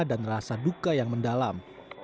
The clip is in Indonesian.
dan rasa duka yang mendalam